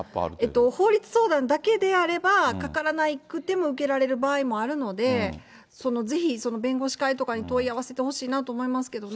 法律相談だけであれば、かからなくても受けられる場合もあるので、ぜひ弁護士会とかに問い合わせてほしいなと思いますけどね。